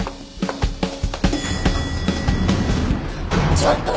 ちょっと！